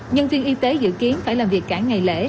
nhân viên y tế dự kiến phải làm việc cả ngày lễ